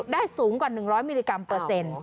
ได้สูงกว่า๑๐๐มิลลิกรัมเปอร์เซ็นต์